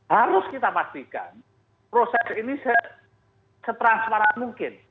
harus kita pastikan proses ini setransparan mungkin